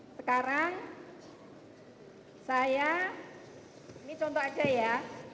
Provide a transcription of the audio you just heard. sekarang saya ini contoh aja ya